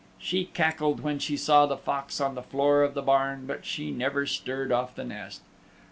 She cackled when she saw the Fox on the floor of the barn but she never stirred off the nest.